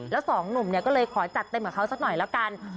แล้วสองหนุ่มเนี่ยก็เลยขอจัดเต็มกับเขาสักหน่อยแล้วกัน